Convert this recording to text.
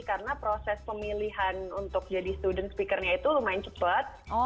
karena proses pemilihan untuk jadi student speakernya itu lumayan cepat